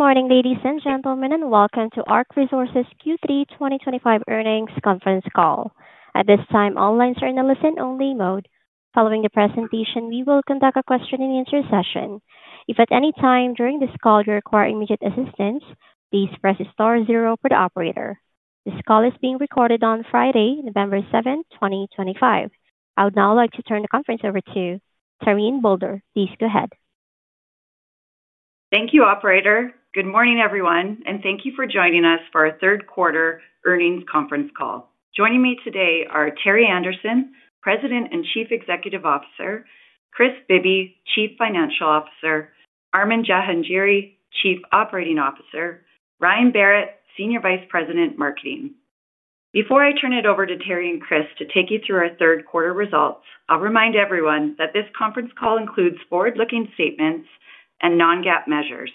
Good morning, ladies and gentlemen, and welcome to ARC Resources Q3 2025 earnings conference call. At this time, all lines are in a listen-only mode. Following the presentation, we will conduct a question-and-answer session. If at any time during this call you require immediate assistance, please press star zero for the operator. This call is being recorded on Friday, November 7, 2025. I would now like to turn the conference over to Taryn Bolder. Please go ahead. Thank you, Operator. Good morning, everyone, and thank you for joining us for our third quarter earnings conference call. Joining me today are Terry Anderson, President and Chief Executive Officer; Kris Bibby, Chief Financial Officer; Armin Jahangiri, Chief Operating Officer; Ryan Berrett, Senior Vice President, Marketing. Before I turn it over to Terry and Kris to take you through our third quarter results, I'll remind everyone that this conference call includes forward-looking statements and non-GAAP measures,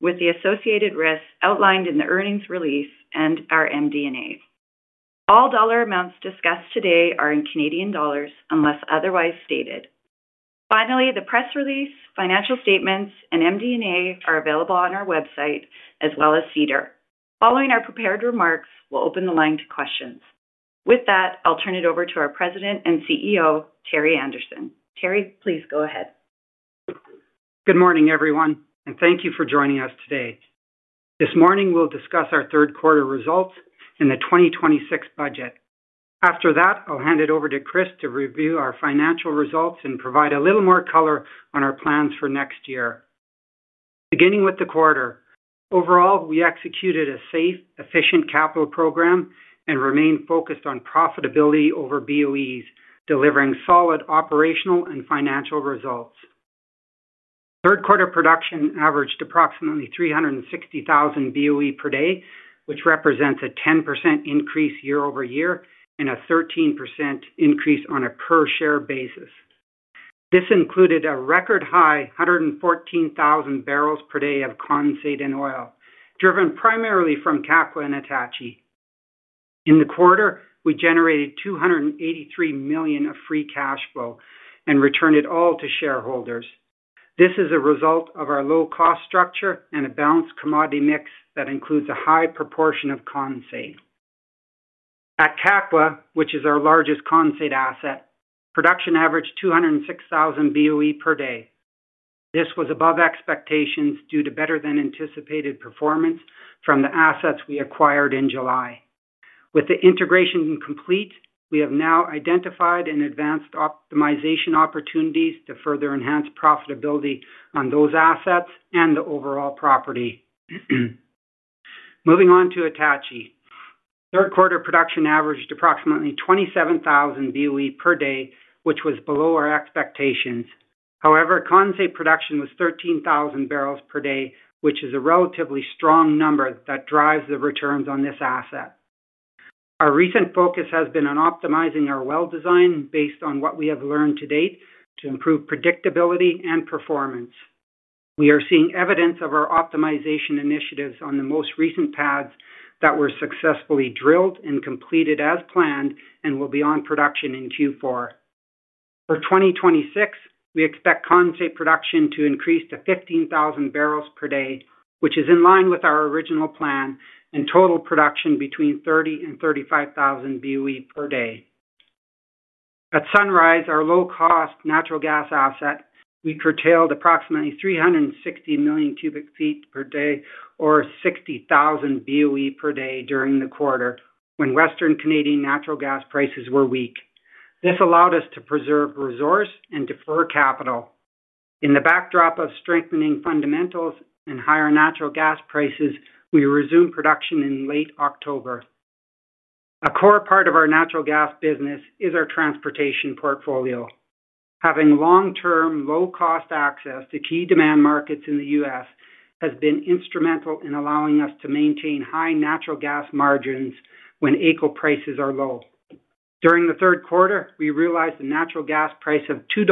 with the associated risks outlined in the earnings release and our MD&As. All dollar amounts discussed today are in CAD unless otherwise stated. Finally, the press release, financial statements, and MD&A are available on our website, as well as CDER. Following our prepared remarks, we'll open the line to questions. With that, I'll turn it over to our President and CEO, Terry Anderson. Terry, please go ahead. Good morning, everyone, and thank you for joining us today. This morning, we'll discuss our third quarter results and the 2026 budget. After that, I'll hand it over to Kris to review our financial results and provide a little more color on our plans for next year. Beginning with the quarter, overall, we executed a safe, efficient capital program and remained focused on profitability over BOEs, delivering solid operational and financial results. Third quarter production averaged approximately 360,000 BOE per day, which represents a 10% increase year-over-year and a 13% increase on a per-share basis. This included a record high, 114,000 bbls per day of condensate, driven primarily from Kakwa and Attachie. In the quarter, we generated 283 million of free cash flow and returned it all to shareholders. This is a result of our low-cost structure and a balanced commodity mix that includes a high proportion of condensate. At Kakwa, which is our largest condensate asset, production averaged 206,000 BOE per day. This was above expectations due to better-than-anticipated performance from the assets we acquired in July. With the integration complete, we have now identified and advanced optimization opportunities to further enhance profitability on those assets and the overall property. Moving on to Attachie, third quarter production averaged approximately 27,000 BOE per day, which was below our expectations. However, condensate production was 13,000 bbls per day, which is a relatively strong number that drives the returns on this asset. Our recent focus has been on optimizing our well design based on what we have learned to date to improve predictability and performance. We are seeing evidence of our optimization initiatives on the most recent pads that were successfully drilled and completed as planned and will be on production in Q4. For 2026, we expect concentrated production to increase to 15,000 bbls per day, which is in line with our original plan, and total production between 30,000 and 35,000 BOE per day. At Sunrise, our low-cost natural gas asset, we curtailed approximately 360 million cu ft per day, or 60,000 BOE per day, during the quarter when Western Canadian natural gas prices were weak. This allowed us to preserve resource and defer capital. In the backdrop of strengthening fundamentals and higher natural gas prices, we resumed production in late October. A core part of our natural gas business is our transportation portfolio. Having long-term, low-cost access to key demand markets in the U.S. has been instrumental in allowing us to maintain high natural gas margins when AECO prices are low. During the third quarter, we realized a natural gas price of 2.75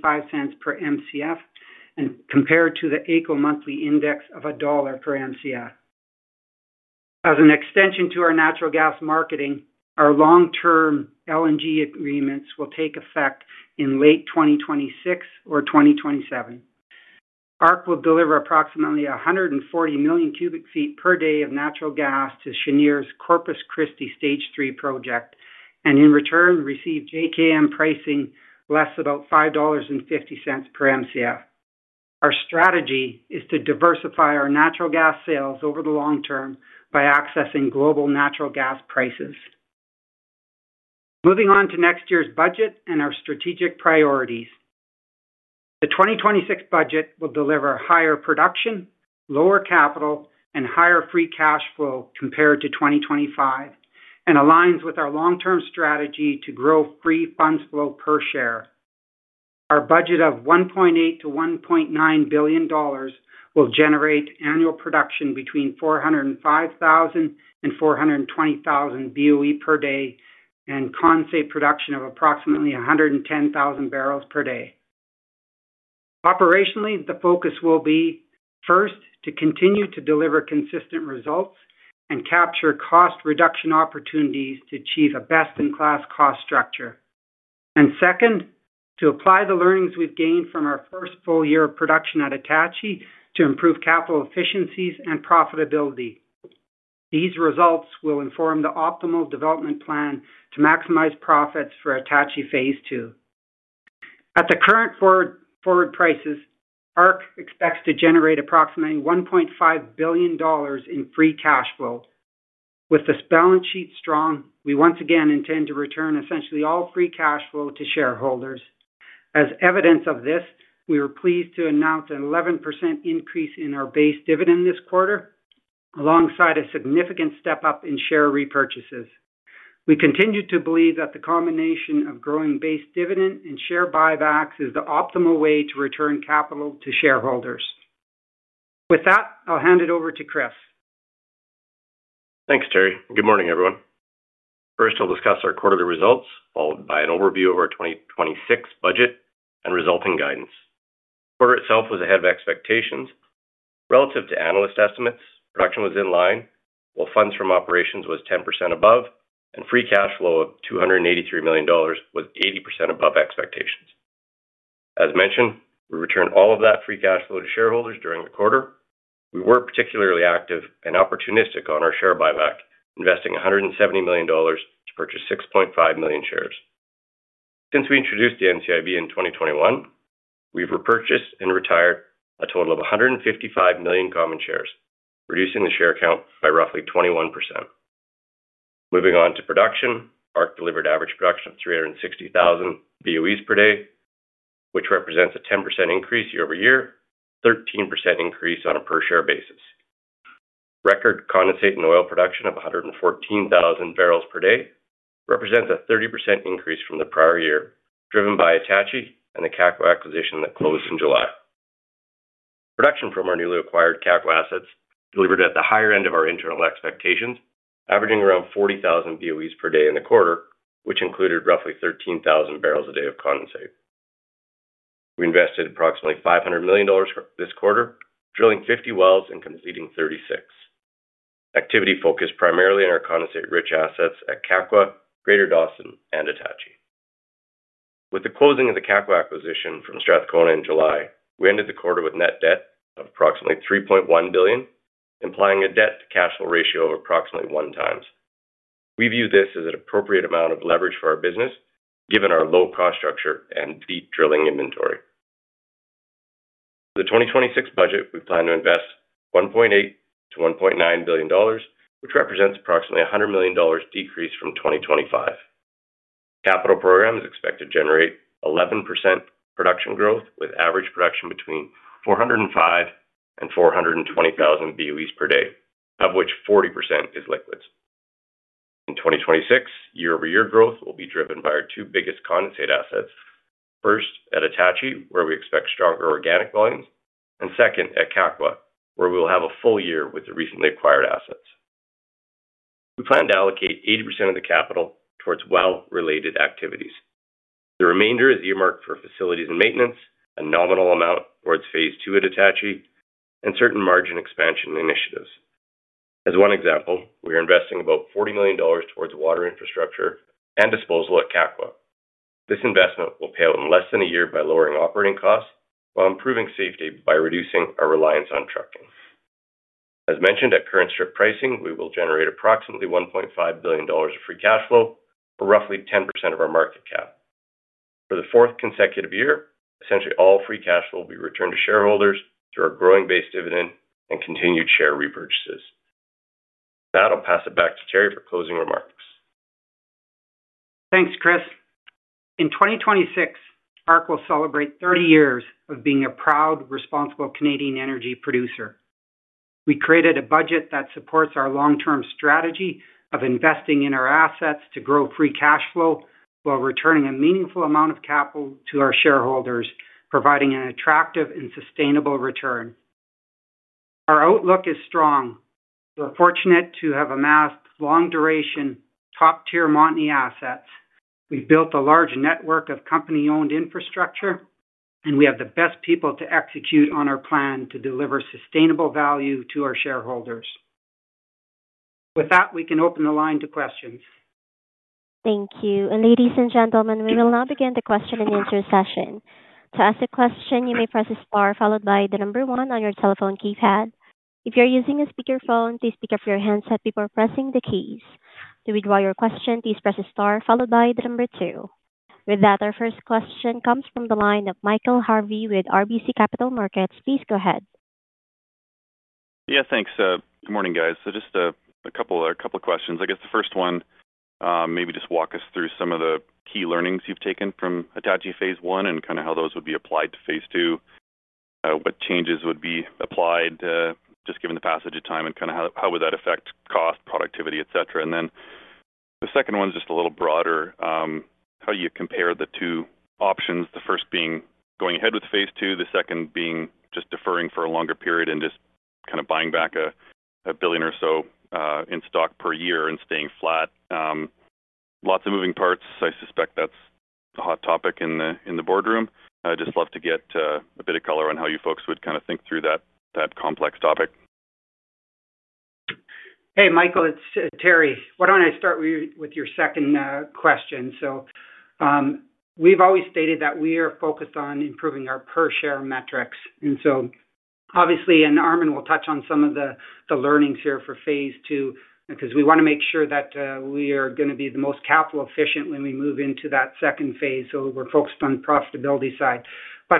dollars per MCF and compared to the AECO monthly index of CAD 1 per MCF. As an extension to our natural gas marketing, our long-term LNG agreements will take effect in late 2026 or 2027. ARC will deliver approximately 140 million cu ft per day of natural gas to Cheniere's Corpus Christi Stage 3 project and, in return, receive JKM pricing less about 5.50 dollars per MCF. Our strategy is to diversify our natural gas sales over the long term by accessing global natural gas prices. Moving on to next year's budget and our strategic priorities. The 2026 budget will deliver higher production, lower capital, and higher free cash flow compared to 2025 and aligns with our long-term strategy to grow free funds flow per share. Our budget of 1.8 billion-1.9 billion dollars will generate annual production between 405,000 and 420,000 BOE per day and concentrated production of approximately 110,000 bbls per day. Operationally, the focus will be, first, to continue to deliver consistent results and capture cost reduction opportunities to achieve a best-in-class cost structure, and second, to apply the learnings we've gained from our first full year of production at Attachie to improve capital efficiencies and profitability. These results will inform the optimal development plan to maximize profits Phase II. at the current forward prices, ARC expects to generate approximately 1.5 billion dollars in free cash flow. With this balance sheet strong, we once again intend to return essentially all free cash flow to shareholders. As evidence of this, we are pleased to announce an 11% increase in our base dividend this quarter, alongside a significant step-up in share repurchases. We continue to believe that the combination of growing base dividend and share buybacks is the optimal way to return capital to shareholders. With that, I'll hand it over to Kris. Thanks, Terry. Good morning, everyone. First, I'll discuss our quarterly results, followed by an overview of our 2026 budget and resulting guidance. The quarter itself was ahead of expectations. Relative to analyst estimates, production was in line, while funds from operations was 10% above, and free cash flow of 283 million dollars was 80% above expectations. As mentioned, we returned all of that free cash flow to shareholders during the quarter. We were particularly active and opportunistic on our share buyback, investing 170 million dollars to purchase 6.5 million shares. Since we introduced the NCIB in 2021, we've repurchased and retired a total of 155 million common shares, reducing the share count by roughly 21%. Moving on to production, ARC delivered average production of 360,000 BOEs per day, which represents a 10% increase year-over-year, a 13% increase on a per-share basis. Record condensate and oil production of 114,000 bbls per day represents a 30% increase from the prior year, driven by Attachie and the Capco acquisition that closed in July. Production from our newly acquired Capco assets delivered at the higher end of our internal expectations, averaging around 40,000 BOE per day in the quarter, which included roughly 13,000 bbls per day of condensate. We invested approximately 500 million dollars this quarter, drilling 50 wells and completing 36. Activity focused primarily on our condensate-rich assets at Capco, Greater Dawson, and Attachie. With the closing of the Capco acquisition from Strathcona in July, we ended the quarter with net debt of approximately 3.1 billion, implying a debt-to-cash flow ratio of approximately one times. We view this as an appropriate amount of leverage for our business, given our low-cost structure and deep drilling inventory. For the 2026 budget, we plan to invest 1.8 billion-1.9 billion dollars, which represents approximately 100 million dollars decrease from 2025. Capital program is expected to generate 11% production growth, with average production between 405,000 and 420,000 BOEs per day, of which 40% is liquids. In 2026, year-over-year growth will be driven by our two biggest condensate assets. First, at Attachie, where we expect stronger organic volumes, and second, at Kakwa, where we will have a full year with the recently acquired assets. We plan to allocate 80% of the capital towards well-related activities. The remainder is earmarked for facilities and maintenance, a nominal Phase II at attachie, and certain margin expansion initiatives. As one example, we are investing about 40 million dollars towards water infrastructure and disposal at Kakwa. This investment will pale in less than a year by lowering operating costs while improving safety by reducing our reliance on trucking. As mentioned at current strip pricing, we will generate approximately 1.5 billion dollars of free cash flow, or roughly 10% of our market cap. For the fourth consecutive year, essentially all free cash flow will be returned to shareholders through our growing base dividend and continued share repurchases. With that, I'll pass it back to Terry for closing remarks. Thanks, Kris. In 2026, ARC will celebrate 30 years of being a proud, responsible Canadian energy producer. We created a budget that supports our long-term strategy of investing in our assets to grow free cash flow while returning a meaningful amount of capital to our shareholders, providing an attractive and sustainable return. Our outlook is strong. We're fortunate to have amassed long-duration, top-tier Montney assets. We've built a large network of company-owned infrastructure, and we have the best people to execute on our plan to deliver sustainable value to our shareholders. With that, we can open the line to questions. Thank you. Ladies and gentlemen, we will now begin the question and answer session. To ask a question, you may press the star followed by the number one on your telephone keypad. If you're using a speakerphone, please pick up your handset before pressing the keys. To withdraw your question, please press the star followed by the number two. With that, our first question comes from the line of Michael Harvey with RBC Capital Markets. Please go ahead. Yeah, thanks. Good morning, guys. Just a couple of questions. I guess the first one, maybe just walk us through some of the key learnings you've taken from Attachie Phase I and kind of how those would be Phase II, what changes would be applied just given the passage of time and kind of how would that affect cost, productivity, etc. The second one is just a little broader. How do you compare the two options, the first being going Phase II, the second being just deferring for a longer period and just kind of buying back $1 billion or so in stock per year and staying flat? Lots of moving parts. I suspect that's a hot topic in the boardroom. I'd just love to get a bit of color on how you folks would kind of think through that complex topic. Hey, Michael, it's Terry. Why don't I start with your second question? We've always stated that we are focused on improving our per-share metrics. Obviously, Armin will touch on some of the learnings Phase II because we want to make sure that we are going to be the most capital-efficient when we move into that second phase. We're focused on the profitability side.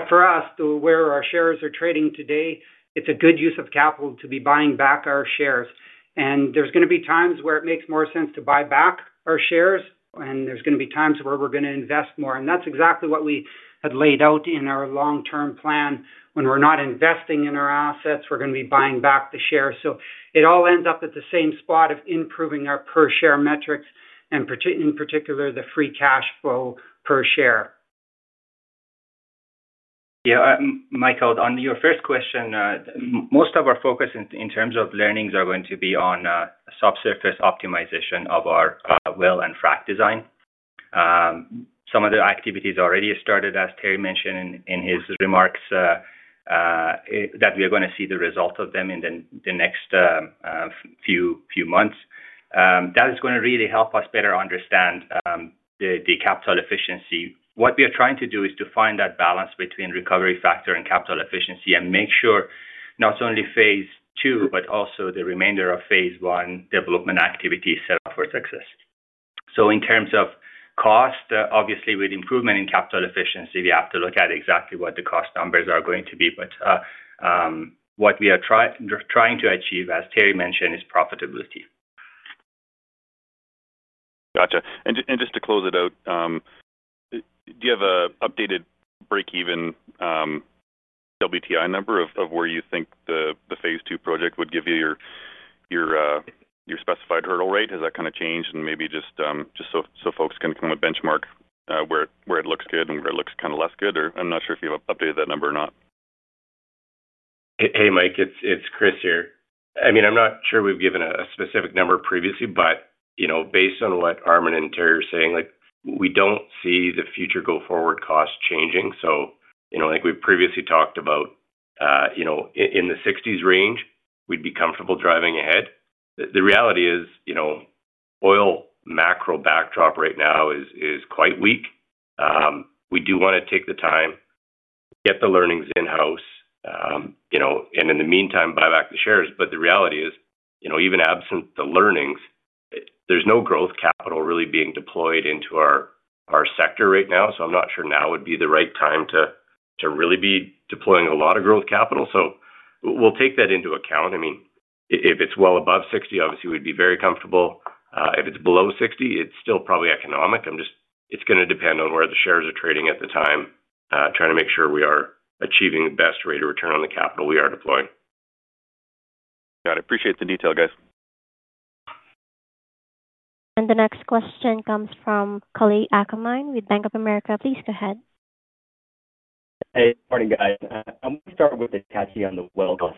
For us, where our shares are trading today, it's a good use of capital to be buying back our shares. There's going to be times where it makes more sense to buy back our shares, and there's going to be times where we're going to invest more. That's exactly what we had laid out in our long-term plan. When we're not investing in our assets, we're going to be buying back the shares. It all ends up at the same spot of improving our per-share metrics and, in particular, the free cash flow per share. Yeah, Michael, on your first question, most of our focus in terms of learnings are going to be on subsurface optimization of our well and frac design. Some of the activities already started, as Terry mentioned in his remarks, that we are going to see the result of them in the next few months. That is going to really help us better understand the capital efficiency. What we are trying to do is to find that balance between recovery factor and capital efficiency and make sure Phase II, but also the remainder of Phase I development activity is set up for success. In terms of cost, obviously, with improvement in capital efficiency, we have to look at exactly what the cost numbers are going to be. What we are trying to achieve, as Terry mentioned, is profitability. Gotcha. Just to close it out, do you have an updated break-even WTI number of where you Phase II project would give you your specified hurdle rate? Has that kind of changed? Maybe just so folks can come up with a benchmark where it looks good and where it looks kind of less good? I'm not sure if you've updated that number or not. Hey, Mike, it's Kris here. I mean, I'm not sure we've given a specific number previously, but based on what Armin and Terry are saying, we don't see the future go-forward cost changing. Like we've previously talked about, in the 60s range, we'd be comfortable driving ahead. The reality is oil macro backdrop right now is quite weak. We do want to take the time, get the learnings in-house, and in the meantime, buy back the shares. The reality is, even absent the learnings, there's no growth capital really being deployed into our sector right now. I'm not sure now would be the right time to really be deploying a lot of growth capital. We'll take that into account. I mean, if it's well above 60, obviously, we'd be very comfortable. If it's below 60, it's still probably economic. It's going to depend on where the shares are trading at the time, trying to make sure we are achieving the best rate of return on the capital we are deploying. Got it. Appreciate the detail, guys. The next question comes from Kale Akamine with Bank of America. Please go ahead. Hey, good morning, guys. I want to start with Attachie on the well cost.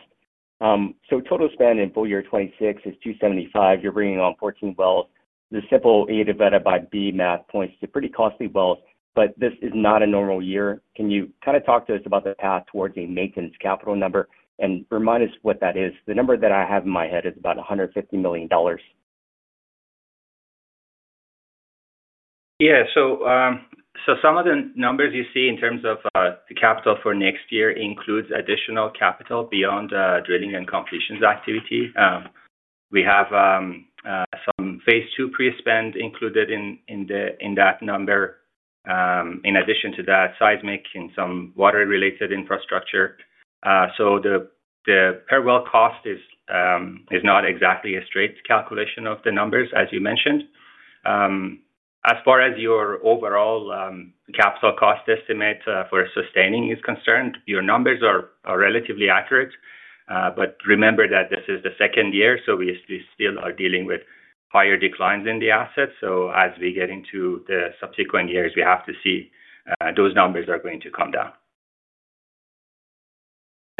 Total spend in full year 2026 is 275 million. You're bringing on 14 wells. The simple EBITDA by BOE map points to pretty costly wells, but this is not a normal year. Can you kind of talk to us about the path towards a maintenance capital number and remind us what that is? The number that I have in my head is about 150 million dollars. Yeah. Some of the numbers you see in terms of the capital for next year includes additional capital beyond drilling and completions activity. We Phase II pre-spend included in that number, in addition to that seismic and some water-related infrastructure. The per well cost is not exactly a straight calculation of the numbers, as you mentioned. As far as your overall capital cost estimate for sustaining is concerned, your numbers are relatively accurate. Remember that this is the second year, so we still are dealing with higher declines in the assets. As we get into the subsequent years, we have to see those numbers are going to come down.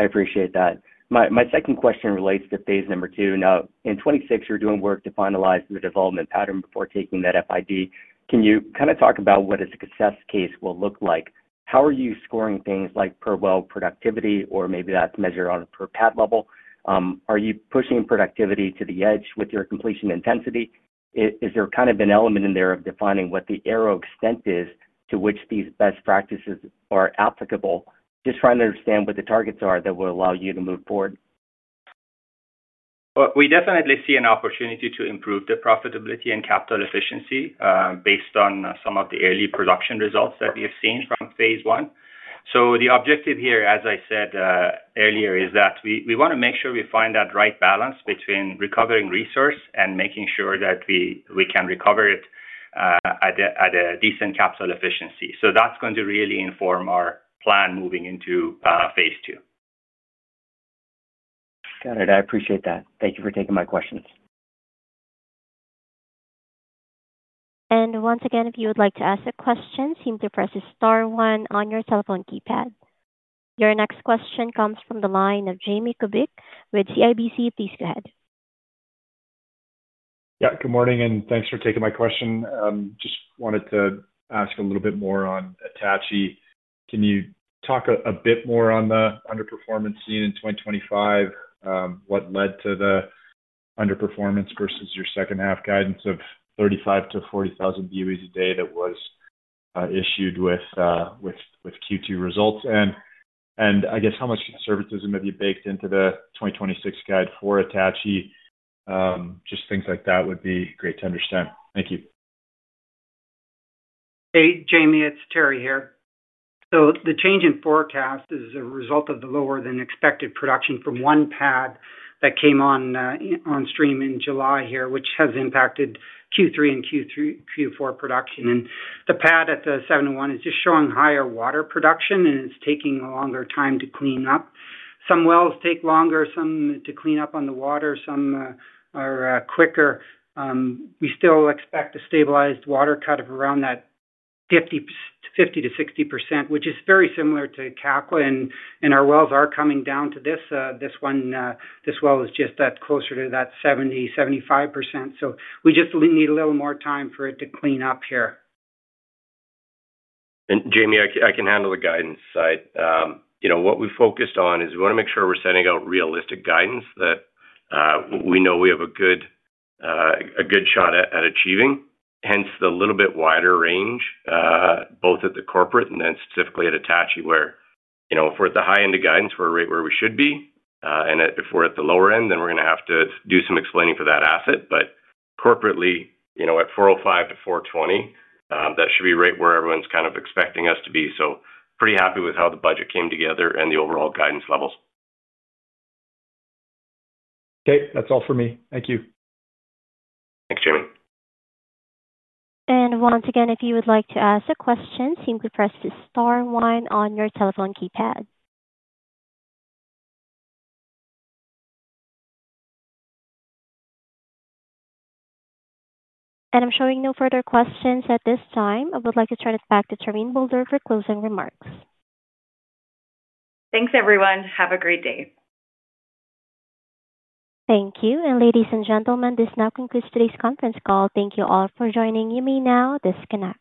I appreciate that. My second question Phase II. Now, in 2026, you're doing work to finalize the development pattern before taking that FID. Can you kind of talk about what a success case will look like? How are you scoring things like per well productivity, or maybe that's measured on a per-pad level? Are you pushing productivity to the edge with your completion intensity? Is there kind of an element in there of defining what the areal extent is to which these best practices are applicable? Just trying to understand what the targets are that will allow you to move forward. We definitely see an opportunity to improve the profitability and capital efficiency based on some of the early production results that we have seen from Phase I. The objective here, as I said earlier, is that we want to make sure we find that right balance between recovering resource and making sure that we can recover it at a decent capital efficiency. That is going to really inform our plan moving into Phase II. Got it. I appreciate that. Thank you for taking my questions. If you would like to ask a question, please press the star one on your telephone keypad. Your next question comes from the line of Jamie Kubik with CIBC. Please go ahead. Yeah, good morning, and thanks for taking my question. Just wanted to ask a little bit more on Attachie. Can you talk a bit more on the underperformance seen in 2025? What led to the underperformance versus your second-half guidance of 35,000-40,000 BOE a day that was issued with Q2 results? I guess how much conservatism have you baked into the 2026 guide for Attachie? Just things like that would be great to understand. Thank you. Hey, Jamie, it's Terry here. The change in forecast is a result of the lower-than-expected production from one pad that came on stream in July here, which has impacted Q3 and Q4 production. The pad at the 701 is just showing higher water production, and it's taking a longer time to clean up. Some wells take longer to clean up on the water. Some are quicker. We still expect a stabilized water cut of around that 50%-60%, which is very similar to Kakwa. Our wells are coming down to this. This well is just that closer to that 70%-75%. We just need a little more time for it to clean up here. Jamie, I can handle the guidance side. What we focused on is we want to make sure we're sending out realistic guidance that we know we have a good shot at achieving. Hence, the little bit wider range, both at the corporate and then specifically at Attachie, where if we're at the high end of guidance, we're right where we should be. If we're at the lower end, then we're going to have to do some explaining for that asset. Corporately, at 405-420, that should be right where everyone's kind of expecting us to be. Pretty happy with how the budget came together and the overall guidance levels. Okay. That's all for me. Thank you. Thanks, Jamie. Once again, if you would like to ask a question, please press the star one on your telephone keypad. I am showing no further questions at this time. I would like to turn it back to Taryn Bolder for closing remarks. Thanks, everyone. Have a great day. Thank you. Ladies and gentlemen, this now concludes today's conference call. Thank you all for joining. You may now disconnect.